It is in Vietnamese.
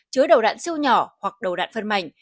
chứa đầu đạn siêu nhỏ hoặc đầu đạn phân mảnh